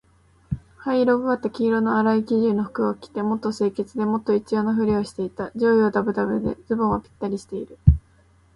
灰色がかった黄色のあらい生地の服を着て、もっと清潔で、もっと一様な身なりをしていた。上衣はだぶだぶで、ズボンはぴったりしている。